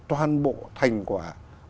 toàn bộ thành quả